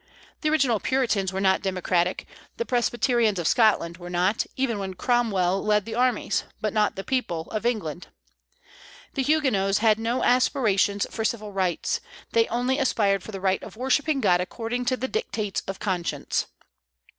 The original Puritans were not democratic; the Presbyterians of Scotland were not, even when Cromwell led the armies, but not the people, of England. The Huguenots had no aspirations for civil rights; they only aspired for the right of worshipping God according to the dictates of conscience.